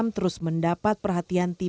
terus mendapat perhatian yang sangat berat